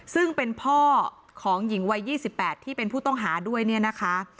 ซึ่งเป็นพ่อของหญิงวัย๒๘ที่เป็นผู้ต้องหาด้วยเนี่ยนะคะ